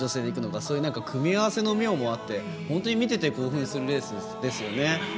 そういう組み合わせの妙もあって本当に見ていて興奮するレースですよね。